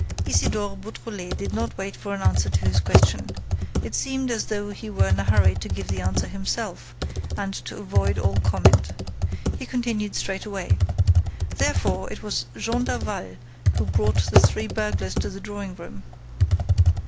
Isidore Beautrelet did not wait for an answer to his question. It seemed as though he were in a hurry to give the answer himself and to avoid all comment. He continued straightway: "Therefore it was Jean Daval who brought the three burglars to the drawing room.